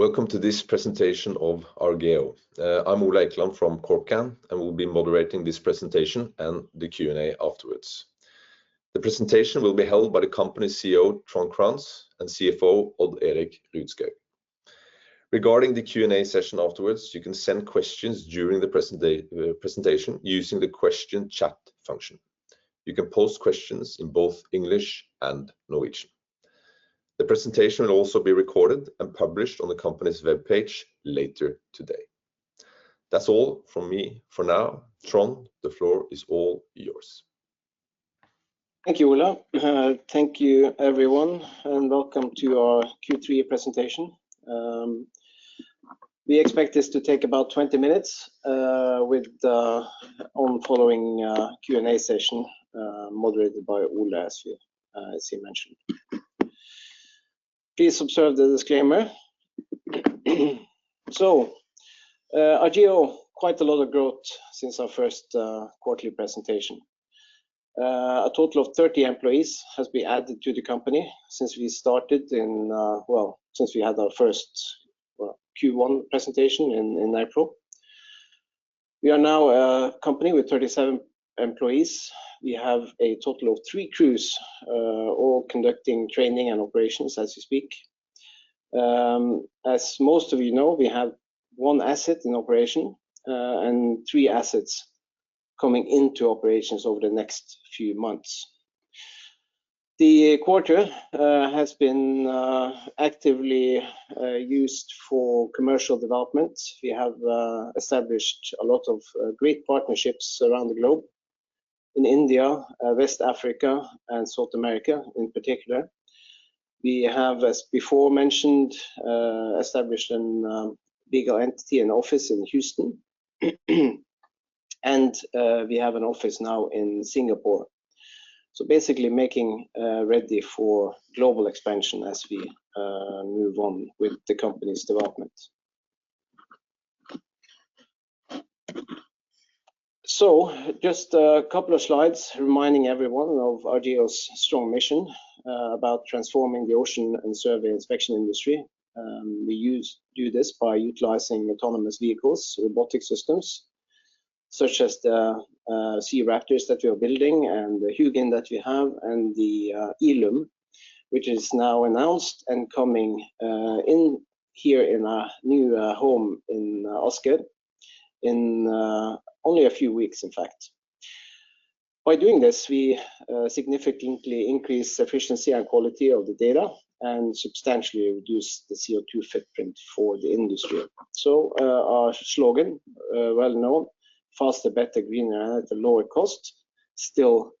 Welcome to this presentation of Argeo. I'm Ole Eikeland from CorpCann, and will be moderating this presentation and the Q&A afterwards. The presentation will be held by the company's CEO, Trond Crantz, and CFO, Odd Erik Rudshaug. Regarding the Q&A session afterwards, you can send questions during the presentation using the question chat function. You can post questions in both English and Norwegian. The presentation will also be recorded and published on the company's webpage later today. That's all from me for now. Trond, the floor is all yours. Thank you, Ole. Thank you, everyone, and welcome to our Q3 presentation. We expect this to take about 20 minutes with the following Q&A session moderated by Ole, as he mentioned. Please observe the disclaimer. Argeo, quite a lot of growth since our first quarterly presentation. A total of 30 employees has been added to the company since we had our first Q1 presentation in April. We are now a company with 37 employees. We have a total of three crews all conducting training and operations as we speak. As most of you know, we have one asset in operation and three assets coming into operations over the next few months. The quarter has been actively used for commercial development. We have established a lot of great partnerships around the globe in India, West Africa and South America in particular. We have, as before mentioned, established a bigger entity and office in Houston, and we have an office now in Singapore. Basically making ready for global expansion as we move on with the company's development. Just a couple of slides reminding everyone of Argeo's strong mission about transforming the ocean and survey inspection industry. We do this by utilizing autonomous vehicles, robotic systems, such as the SeaRaptors that we are building and the Hugin that we have and the Eelume, which is now announced and coming in here in our new home in Åsgård in only a few weeks, in fact. By doing this, we significantly increase efficiency and quality of the data and substantially reduce the CO2 footprint for the industry. Our slogan, well-known, faster, better, greener at a lower cost, still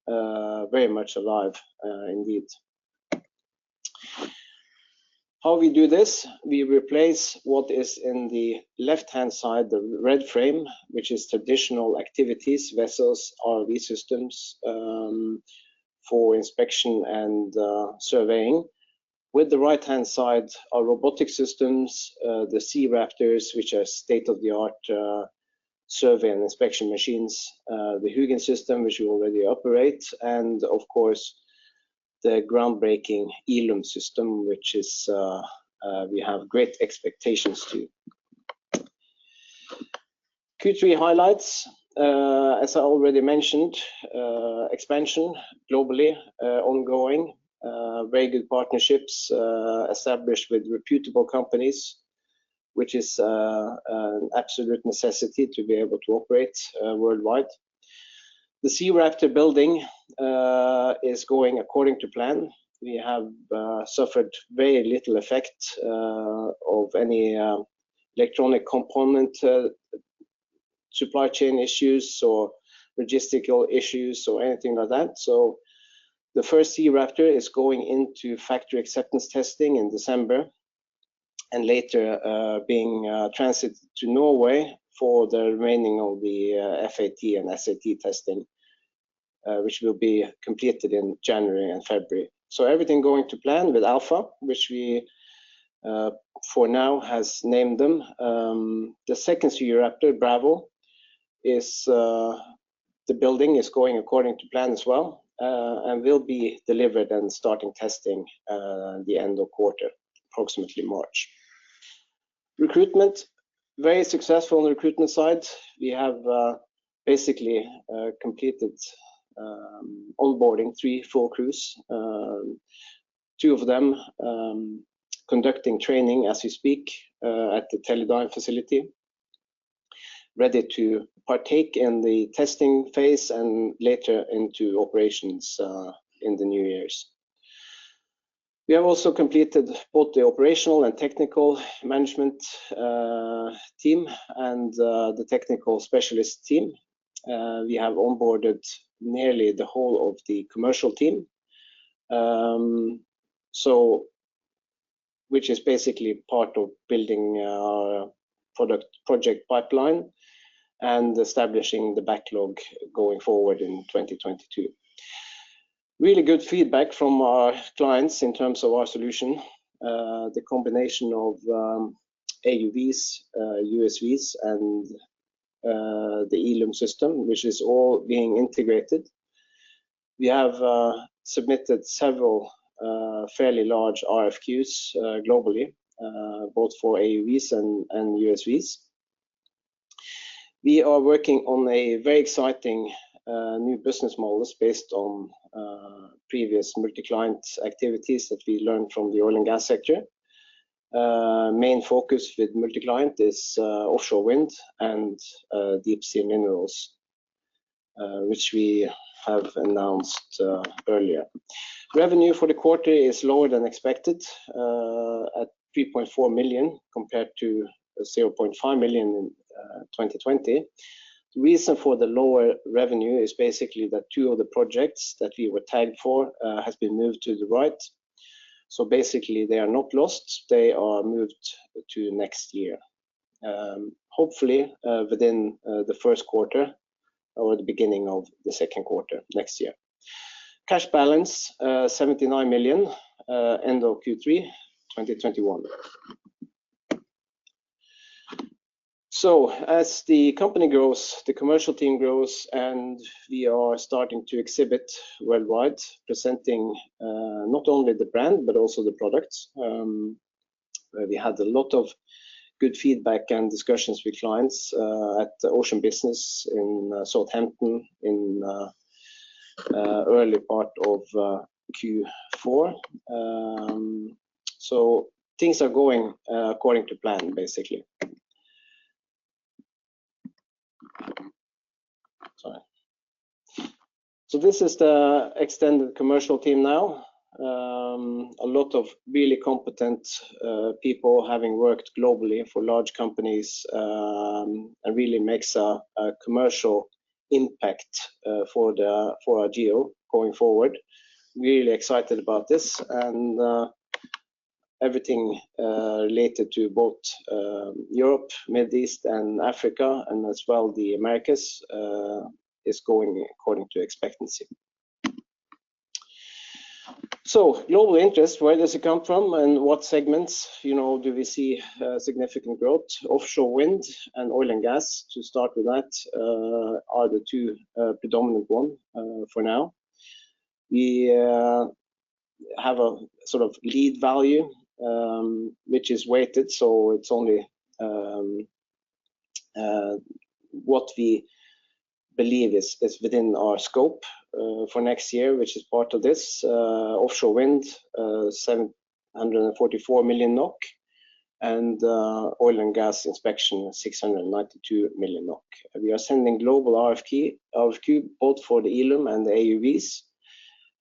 very much alive indeed. How we do this, we replace what is in the left-hand side, the red frame, which is traditional activities, vessels, ROV systems for inspection and surveying. With the right-hand side are robotic systems, the SeaRaptors, which are state-of-the-art survey and inspection machines, the Hugin system which we already operate and of course, the groundbreaking Eelume system, which we have great expectations to. Q3 highlights. As I already mentioned, expansion globally ongoing. Very good partnerships established with reputable companies, which is an absolute necessity to be able to operate worldwide. The SeaRaptor building is going according to plan. We have suffered very little effect of any electronic component supply chain issues or logistical issues or anything like that. The first SeaRaptor is going into factory acceptance testing in December and later being transited to Norway for the remaining of the FAT and SAT testing which will be completed in January and February. Everything going to plan with Alpha, which we for now has named them. The second SeaRaptor, Bravo, the building is going according to plan as well and will be delivered and starting testing the end of quarter, approximately March. Recruitment. Very successful on the recruitment side. We have basically completed onboarding three full crews, two of them conducting training as we speak at the Teledyne facility, ready to partake in the testing phase and later into operations in the new year. We have also completed both the operational and technical management team and the technical specialist team. We have onboarded nearly the whole of the commercial team, which is basically part of building our product project pipeline and establishing the backlog going forward in 2022. Really good feedback from our clients in terms of our solution. The combination of AUVs, USVs, and the Eelume system, which is all being integrated. We have submitted several fairly large RFQs globally, both for AUVs and USVs. We are working on a very exciting new business models based on previous multi-client activities that we learned from the oil and gas sector. Main focus with multi-client is offshore wind and deep sea minerals, which we have announced earlier. Revenue for the quarter is lower than expected at 3.4 million compared to 0.5 million in 2020. The reason for the lower revenue is basically that two of the projects that we were tagged for has been moved to the right. Basically, they are not lost. They are moved to next year, hopefully, within the first quarter or the beginning of the second quarter next year. Cash balance 79 million end of Q3 2021. As the company grows, the commercial team grows, and we are starting to exhibit worldwide, presenting not only the brand, but also the products. We had a lot of good feedback and discussions with clients at Ocean Business in Southampton in early part of Q4. Things are going according to plan, basically. This is the extended commercial team now. A lot of really competent people having worked globally for large companies really makes a commercial impact for Argeo going forward. Really excited about this and everything related to both Europe, Middle East, and Africa, and as well the Americas is going according to expectancy. Global interest, where does it come from and what segments, you know, do we see significant growth? Offshore wind and oil and gas, to start with that, are the two predominant one for now. We have a sort of lead value, which is weighted, so it's only what we believe is within our scope for next year, which is part of this. Offshore wind, 744 million NOK, and oil and gas inspection, 692 million NOK. We are sending global RFQ both for the Eelume and the AUVs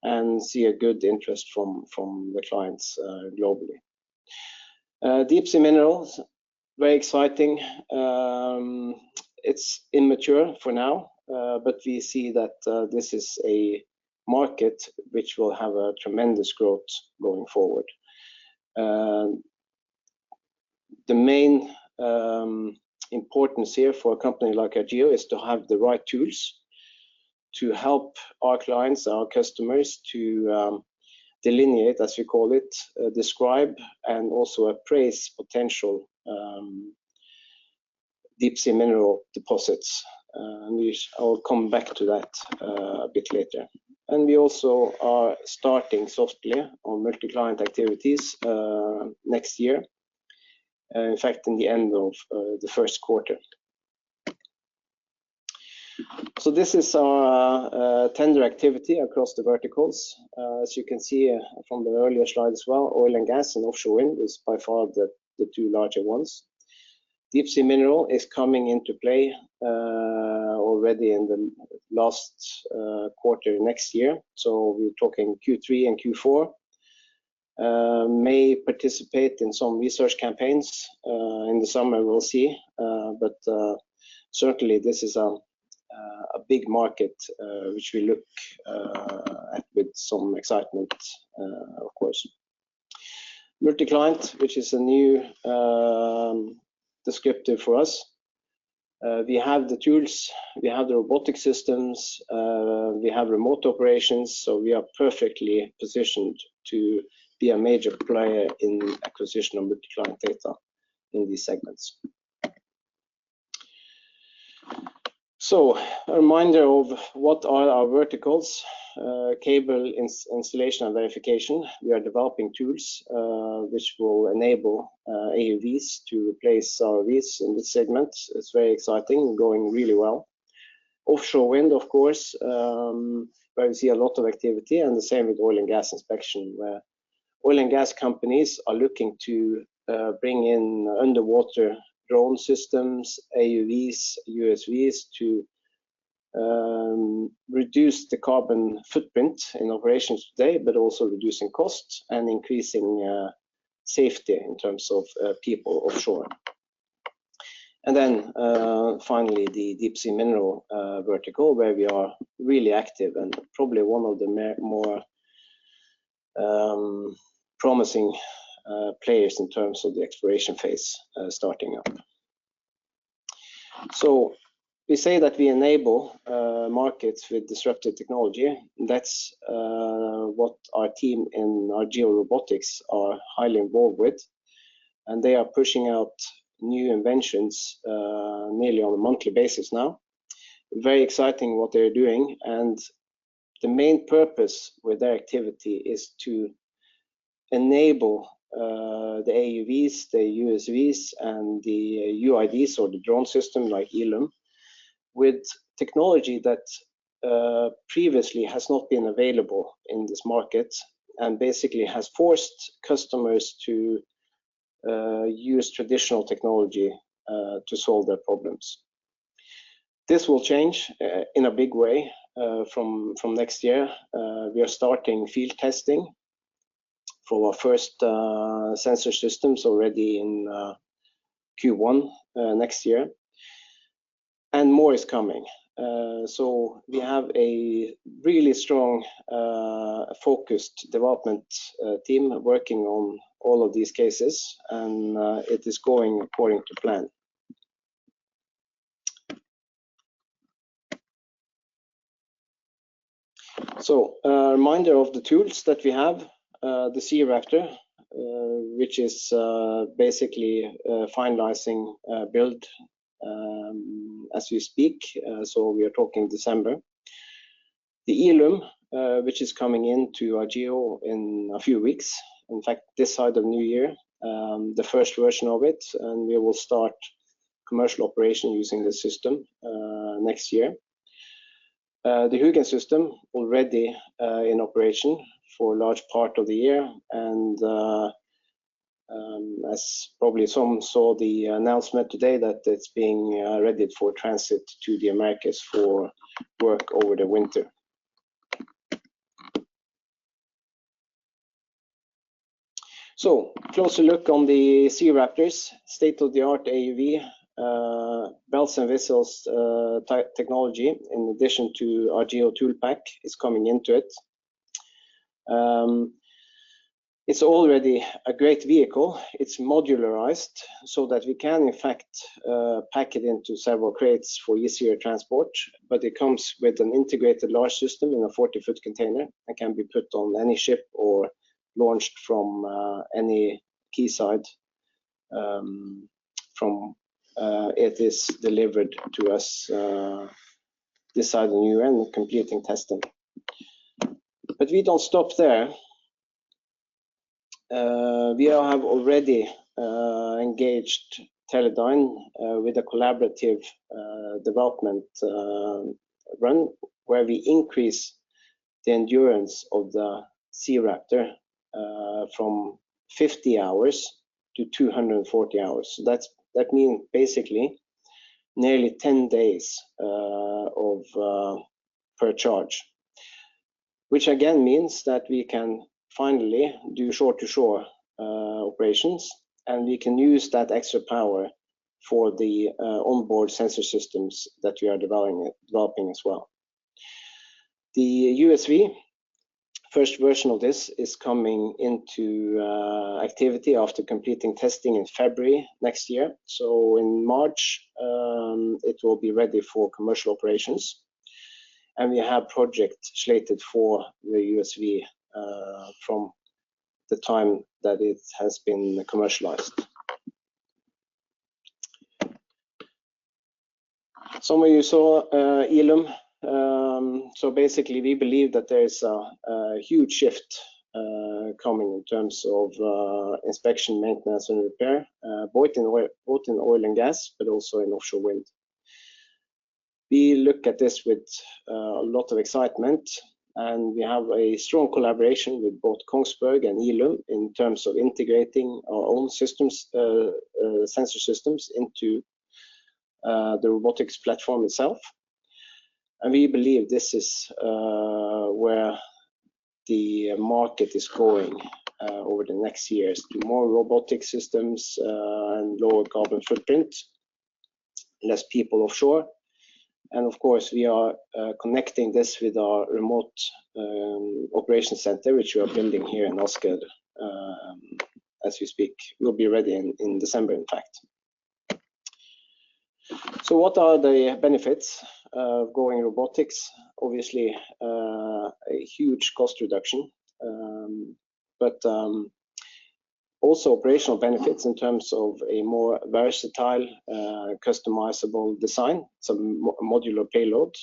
and see a good interest from the clients globally. Deep sea minerals, very exciting. It's immature for now, but we see that this is a market which will have a tremendous growth going forward. The main importance here for a company like Argeo is to have the right tools to help our clients, our customers, to delineate, as you call it, describe and also appraise potential deep sea mineral deposits. I'll come back to that a bit later. We also are starting softly on multi-client activities next year, in fact, in the end of the first quarter. This is our tender activity across the verticals. As you can see from the earlier slide as well, oil and gas and offshore wind is by far the two larger ones. Deep sea mineral is coming into play already in the last quarter next year. We're talking Q3 and Q4. May participate in some research campaigns in the summer, we'll see. Certainly this is a big market which we look at with some excitement of course. Multi-client, which is a new descriptor for us. We have the tools, we have the robotic systems, we have remote operations, so we are perfectly positioned to be a major player in acquisition of multi-client data in these segments. A reminder of what are our verticals. Cable installation and verification. We are developing tools which will enable AUVs to replace ROVs in this segment. It's very exciting and going really well. Offshore wind, of course, where we see a lot of activity, and the same with oil and gas inspection, where oil and gas companies are looking to bring in underwater drone systems, AUVs, USVs to reduce the carbon footprint in operations today, but also reducing costs and increasing safety in terms of people offshore. Finally, the deep sea mineral vertical, where we are really active and probably one of the more promising players in terms of the exploration phase starting up. We say that we enable markets with disruptive technology. That's what our team in Argeo Robotics are highly involved with, and they are pushing out new inventions nearly on a monthly basis now. Very exciting what they're doing. The main purpose with their activity is to enable the AUVs, the USVs, and the UUVs or the drone system like Eelume with technology that previously has not been available in this market, and basically has forced customers to use traditional technology to solve their problems. This will change in a big way from next year. We are starting field testing for our first sensor systems already in Q1 next year, and more is coming. We have a really strong focused development team working on all of these cases, and it is going according to plan. A reminder of the tools that we have, the SeaRaptor, which is basically finalizing build as we speak. We are talking December. The Eelume, which is coming into Argeo in a few weeks, in fact, this side of New Year, the first version of it, and we will start commercial operation using this system, next year. The Hugin system already in operation for a large part of the year. As probably some saw the announcement today that it's being readied for transit to the Americas for work over the winter. Closer look on the SeaRaptors state-of-the-art AUV, bells and whistles, technology, in addition to Argeo tool pack is coming into it. It's already a great vehicle. It's modularized, so that we can in fact, pack it into several crates for easier transport. It comes with an integrated launch system in a 40-foot container and can be put on any ship or launched from any quay site. It is delivered to us this side of the new completing testing. We don't stop there. We have already engaged Teledyne with a collaborative development run, where we increase the endurance of the SeaRaptor from 50 hours to 240 hours. That means basically nearly 10 days per charge. Which again means that we can finally do shore-to-shore operations, and we can use that extra power for the onboard sensor systems that we are developing as well. The USV first version of this is coming into activity after completing testing in February next year. In March, it will be ready for commercial operations. We have projects slated for the USV from the time that it has been commercialized. Some of you saw Eelume. Basically we believe that there is a huge shift coming in terms of inspection, maintenance and repair, both in oil and gas, but also in offshore wind. We look at this with a lot of excitement, and we have a strong collaboration with both Kongsberg and Eelume in terms of integrating our own systems, sensor systems into the robotics platform itself. We believe this is where the market is going over the next years. More robotic systems and lower carbon footprint, less people offshore. Of course, we are connecting this with our remote operation center, which we are building here in Åsgård as we speak. It will be ready in December, in fact. What are the benefits of going robotics? Obviously, a huge cost reduction, but also operational benefits in terms of a more versatile customizable design, some modular payload.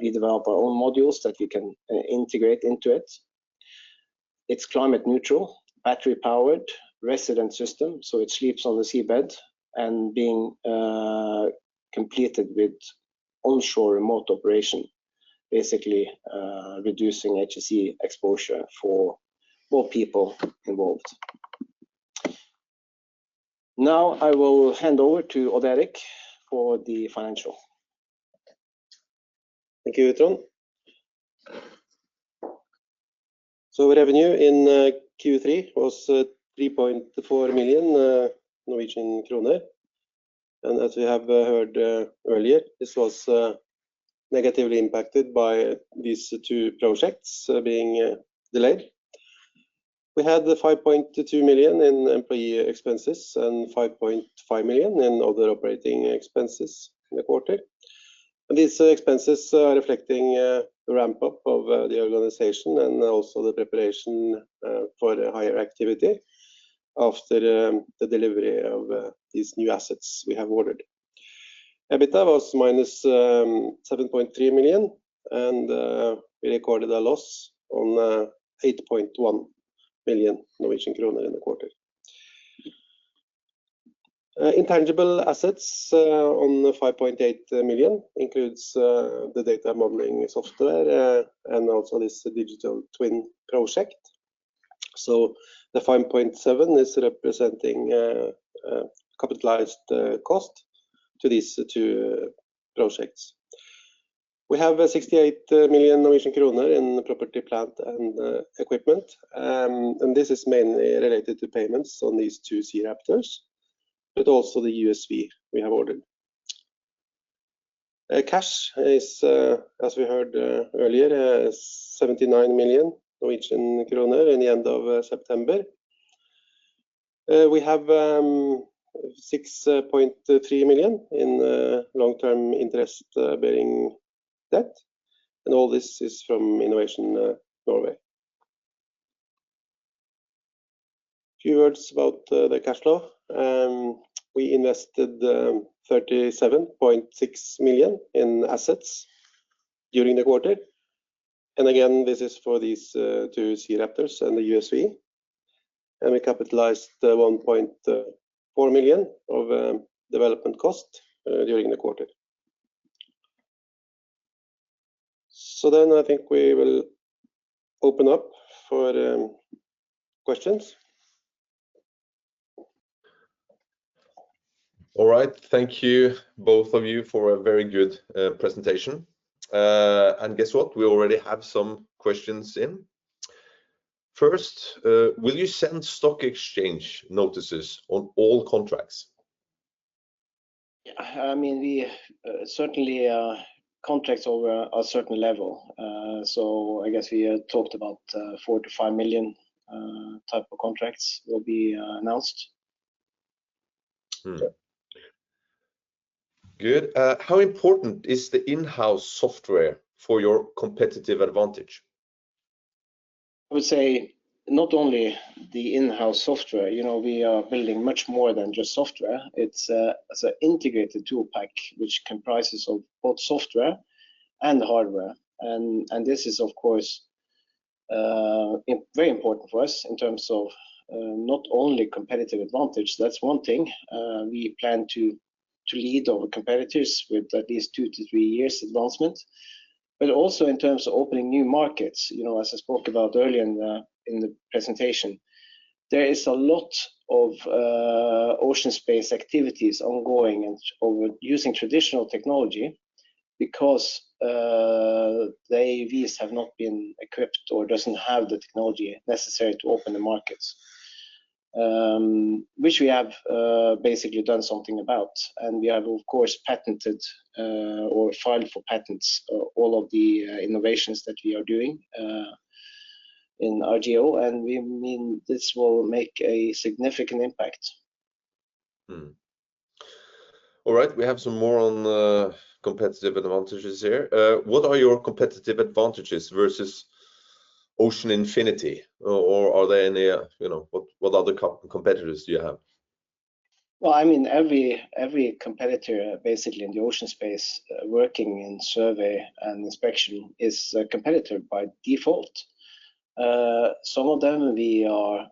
We develop our own modules that we can integrate into it. It's climate neutral, battery powered resident system, so it sleeps on the seabed and being completed with onshore remote operation, basically reducing HSE exposure for more people involved. Now I will hand over to Odd Erik for the financial. Thank you, Trond. Revenue in Q3 was 3.4 million Norwegian kroner. As we have heard earlier, this was negatively impacted by these two projects being delayed. We had 5.2 million in employee expenses and 5.5 million in other operating expenses in the quarter. These expenses are reflecting the ramp-up of the organization and also the preparation for higher activity after the delivery of these new assets we have ordered. EBITDA was -7.3 million and we recorded a loss on 8.1 million Norwegian kroner in the quarter. Intangible assets of 5.8 million includes the data modeling software and also this digital twin project. The 5.7 is representing capitalized cost to these two projects. We have 68 million Norwegian kroner in property, plant and equipment. This is mainly related to payments on these two SeaRaptors, but also the USV we have ordered. Cash is, as we heard earlier, 79 million Norwegian kroner at the end of September. We have 6.3 million in long-term interest-bearing debt. All this is from Innovation Norway. A few words about the cash flow. We invested 37.6 million in assets during the quarter. Again, this is for these two SeaRaptors and the USV. We capitalized 1.4 million of development cost during the quarter. I think we will open up for questions. All right. Thank you, both of you, for a very good presentation. Guess what? We already have some questions in. First, will you send stock exchange notices on all contracts? I mean, we announce contracts over a certain level. I guess we talked about 4 million-5 million type of contracts will be announced. Good. How important is the in-house software for your competitive advantage? I would say not only the in-house software, you know, we are building much more than just software. It's an integrated tool pack which comprises of both software and hardware. This is, of course, very important for us in terms of not only competitive advantage. That's one thing. We plan to lead our competitors with at least two to three years advancement, but also in terms of opening new markets. You know, as I spoke about earlier in the presentation, there is a lot of ocean space activities ongoing and using traditional technology because the AUVs have not been equipped or doesn't have the technology necessary to open the markets, which we have basically done something about. We have, of course, patented or filed for patents all of the innovations that we are doing in Argeo. We mean this will make a significant impact. All right. We have some more on competitive advantages here. What are your competitive advantages versus Ocean Infinity? Or are there any, you know, what other competitors do you have? Well, I mean, every competitor basically in the ocean space working in survey and inspection is a competitor by default. Some of them we are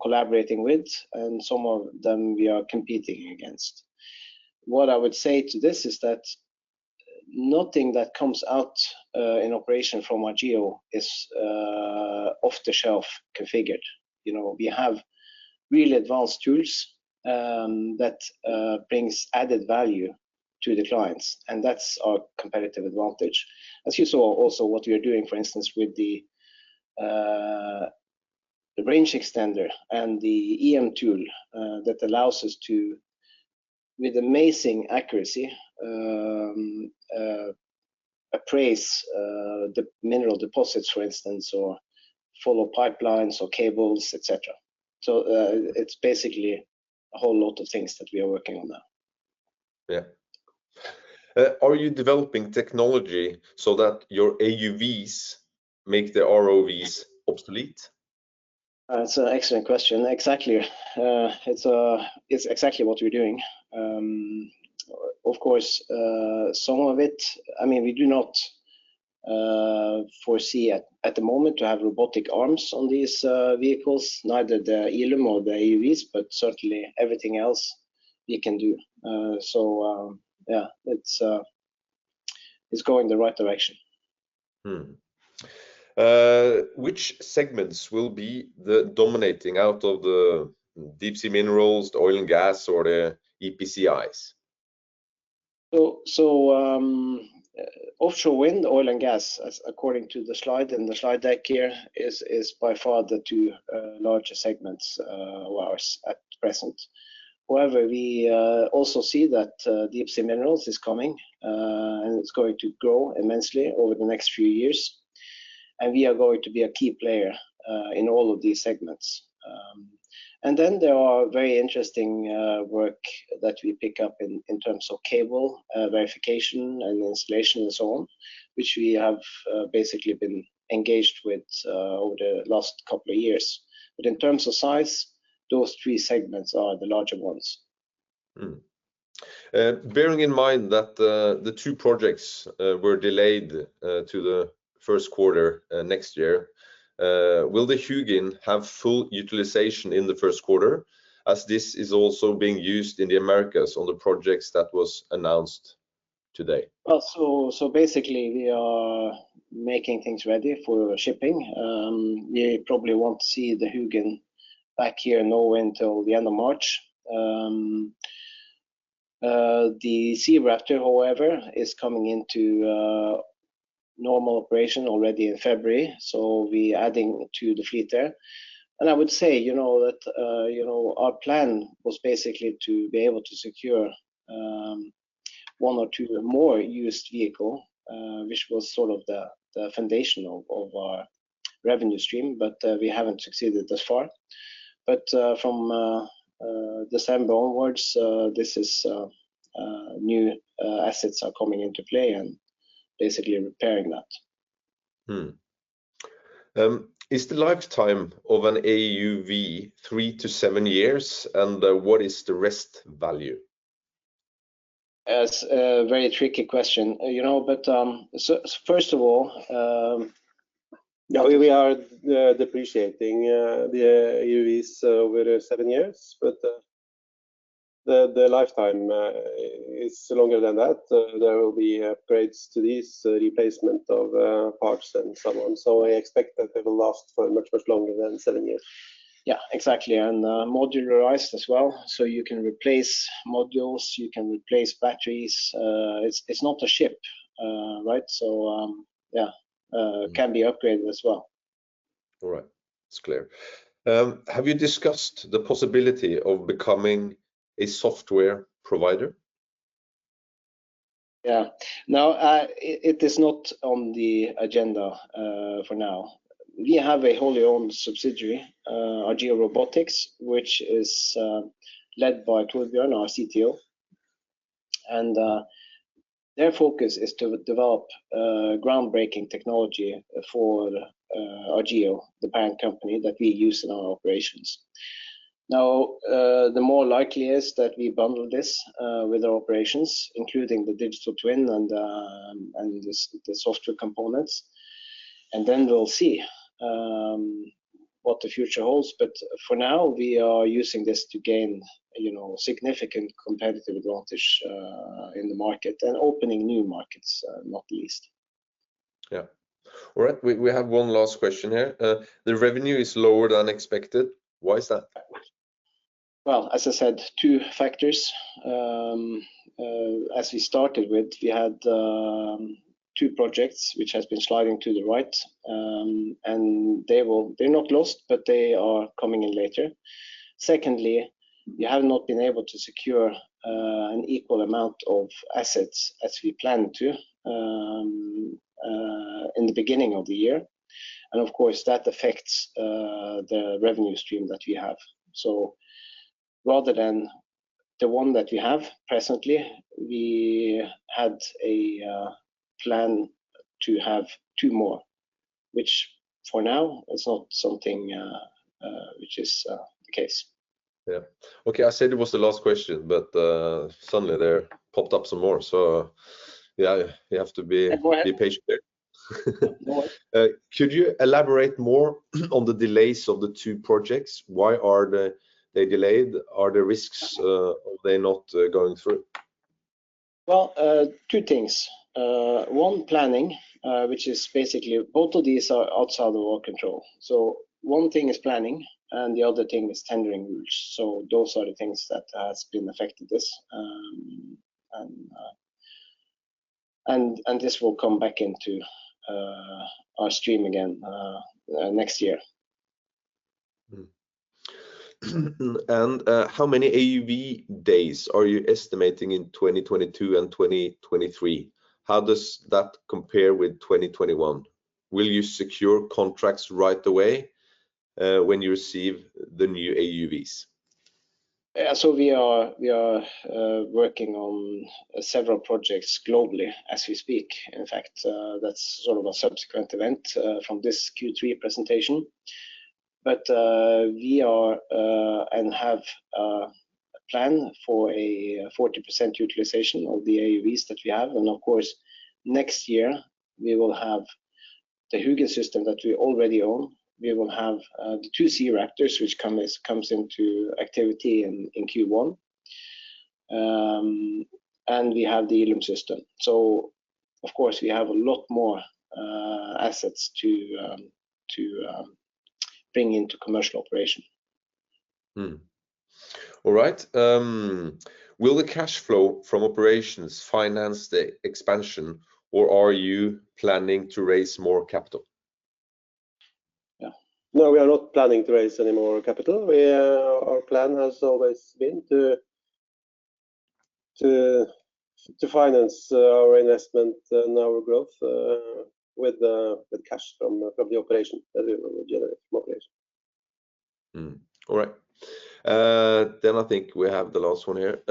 collaborating with and some of them we are competing against. What I would say to this is that nothing that comes out in operation from Argeo is off the shelf configured. You know, we have really advanced tools that brings added value to the clients. And that's our competitive advantage. As you saw also what we are doing, for instance, with the range extender and the EM tool that allows us to, with amazing accuracy, appraise the mineral deposits, for instance, or follow pipelines or cables, et cetera. It's basically a whole lot of things that we are working on now. Yeah. Are you developing technology so that your AUVs make the ROVs obsolete? That's an excellent question. Exactly. It's exactly what we're doing. Of course, some of it, I mean, we do not foresee at the moment to have robotic arms on these vehicles, neither the Eelume or the AUVs, but certainly everything else we can do. Yeah, it's going the right direction. Which segments will be dominating out of the deep sea minerals, the oil and gas or the EPCIs? Offshore wind, oil and gas, according to the slide and the slide deck here, is by far the two largest segments of ours at present. However, we also see that deep sea minerals is coming and it's going to grow immensely over the next few years. We are going to be a key player in all of these segments. There are very interesting work that we pick up in terms of cable verification and installation and so on, which we have basically been engaged with over the last couple of years. In terms of size, those three segments are the larger ones. Bearing in mind that the two projects were delayed to the first quarter next year, will the Hugin have full utilization in the first quarter as this is also being used in the Americas on the projects that was announced today? Well, basically, we are making things ready for shipping. We probably won't see the Hugin back here now until the end of March. The SeaRaptor, however, is coming into normal operation already in February, so we're adding to the fleet there. I would say, you know, that, you know, our plan was basically to be able to secure one or two more used vehicles, which was sort of the foundation of our revenue stream, but we haven't succeeded thus far. From December onwards, these new assets are coming into play and basically repairing that. Is the lifetime of an AUV three to seven years, and what is the residual value? That's a very tricky question, you know, but so first of all, Yeah, we are depreciating the AUVs over seven years, but the lifetime is longer than that. There will be upgrades to these, replacement of parts and so on. I expect that they will last for much, much longer than seven years. Yeah, exactly. Modularized as well, so you can replace modules, you can replace batteries. It's not a ship, right? Mm Can be upgraded as well. All right. It's clear. Have you discussed the possibility of becoming a software provider? Yeah. Now, it is not on the agenda for now. We have a wholly owned subsidiary, Argeo Robotics, which is led by Torbjørn, our CTO, and their focus is to develop groundbreaking technology for Argeo, the parent company that we use in our operations. Now, the more likely is that we bundle this with our operations, including the digital twin and the software components, and then we'll see what the future holds. For now, we are using this to gain, you know, significant competitive advantage in the market and opening new markets, not least. Yeah. All right. We have one last question here. The revenue is lower than expected. Why is that? Well, as I said, two factors. As we started with, we had two projects which has been sliding to the right. They're not lost, but they are coming in later. Secondly, we have not been able to secure an equal amount of assets as we planned to in the beginning of the year, and of course, that affects the revenue stream that we have. Rather than the one that we have presently, we had a plan to have two more, which for now is not something which is the case. Yeah. Okay, I said it was the last question, but suddenly there popped up some more, so yeah, you have to be. Go ahead. Be patient there. More. Could you elaborate more on the delays of the two projects? Why are they delayed? Are there risks of they not going through? Well, two things. One, planning, which is basically both of these are outside of our control. One thing is planning, and the other thing is tendering rules. Those are the things that has been affected by this. This will come back into our stream again next year. How many AUV days are you estimating in 2022 and 2023? How does that compare with 2021? Will you secure contracts right away when you receive the new AUVs? Yeah, we are working on several projects globally as we speak. In fact, that's sort of a subsequent event from this Q3 presentation. We have a plan for 40% utilization of the AUVs that we have. Of course, next year we will have the Hugin system that we already own. We will have the two SeaRaptors which come into activity in Q1. We have the Eelume system. Of course, we have a lot more assets to bring into commercial operation. All right. Will the cash flow from operations finance the expansion, or are you planning to raise more capital? Yeah. No, we are not planning to raise any more capital. Our plan has always been to finance our investment and our growth with the cash from the operation that we will generate from operation. All right. I think we have the last one here.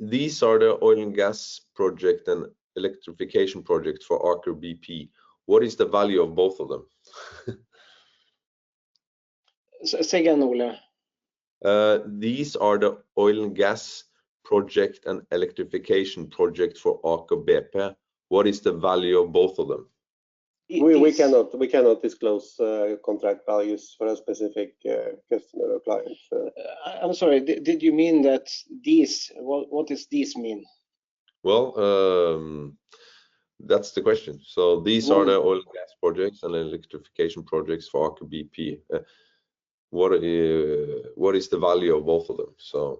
These are the oil and gas project and electrification project for Aker BP. What is the value of both of them? Say again, Ole. These are the oil and gas project and electrification project for Aker BP. What is the value of both of them? We cannot disclose contract values for a specific customer or client. I'm sorry, did you mean that these? What does these mean? Well, that's the question. These are the oil and gas projects and electrification projects for Aker BP. What is the value of both of them?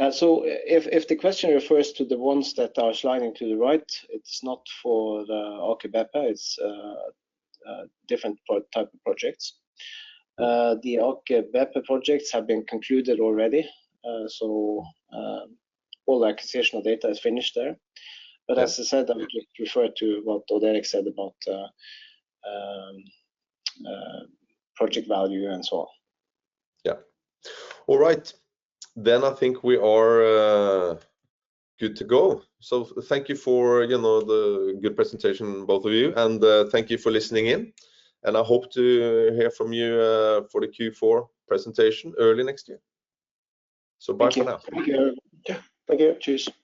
If the question refers to the ones that are sliding to the right, it's not for the Aker BP. It's different type of projects. The Aker BP projects have been concluded already. All the acquisition data is finished there. As I said, I would refer to what Odd Erik said about project value and so on. Yeah. All right. I think we are good to go. Thank you for, you know, the good presentation, both of you, and thank you for listening in. I hope to hear from you for the Q4 presentation early next year. Bye for now. Thank you. Yeah. Thank you. Cheers.